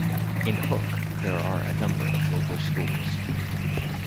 In Hook, there are a number of local schools.